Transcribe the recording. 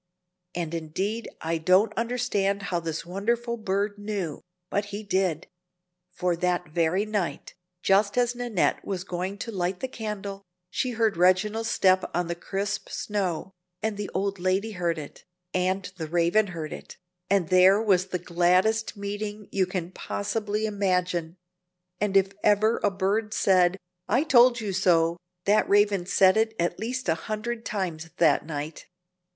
And indeed I don't understand how this wonderful bird knew, but he did; for that very night, just as Nannette was going to light the candle, she heard Reginald's step on the crisp snow, and the old lady heard it, and the Raven heard it, and there was the gladdest meeting you can possibly imagine; and if ever a bird said "I told you so," that Raven said it at least a hundred times that night.